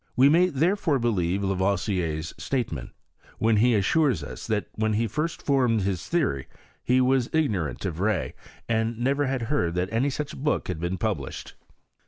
We may there fore believe Lavoisier's statement, when he assures us that when he first formed his theory he was ignorant of Rey, and never had heard that any such book had been published.